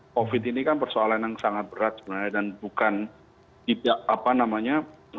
covid ini kan persoalan yang sangat berat sebenarnya dan bukan tidak apa namanya